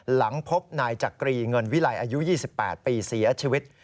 หลังพบนายจักรีเงินวิลัยอายุ๒๘ปีเสียชีวิต